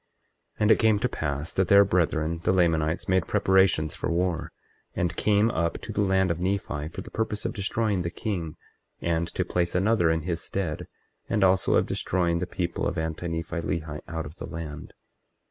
24:20 And it came to pass that their brethren, the Lamanites, made preparations for war, and came up to the land of Nephi for the purpose of destroying the king, and to place another in his stead, and also of destroying the people of Anti Nephi Lehi out of the land.